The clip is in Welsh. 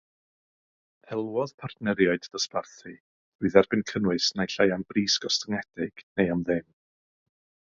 Elwodd partneriaid dosbarthu drwy dderbyn cynnwys naill ai am bris gostyngedig, neu am ddim.